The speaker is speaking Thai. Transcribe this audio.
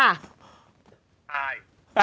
ใช่